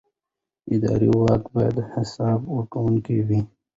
اداري واک باید حساب ورکوونکی وي.